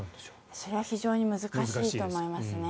それは非常に難しいと思いますね。